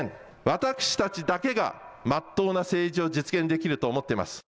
私たちだけがまっとうな政治を実現できると思っています。